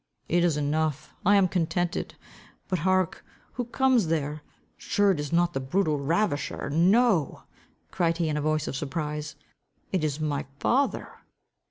"It is enough. I am contented. But hark! who comes there? Sure it is not the brutal ravisher? No," cried he, in a voice of surprise, "it is my father."